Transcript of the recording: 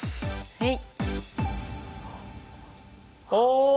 はい。